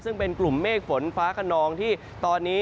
ซึ่งเป็นกลุ่มเมฆฝนฟ้าขนองที่ตอนนี้